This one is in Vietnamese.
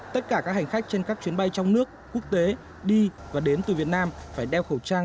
tất cả các hành khách trên các chuyến bay trong nước quốc tế đi và đến từ việt nam phải đeo khẩu trang